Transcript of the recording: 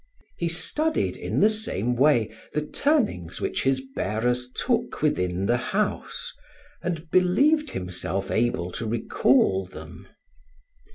He studied in the same way the turnings which his bearers took within the house, and believed himself able to recall them.